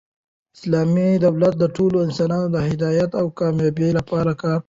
اسلامي دولت د ټولو انسانانو د هدایت او کامبابۍ له پاره کار کوي.